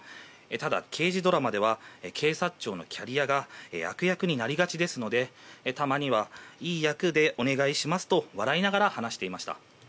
ただ刑事ドラマでは警察庁のキャリアが悪役になりがちですのでたまにはいい役でお願いしますと笑いながら話していました。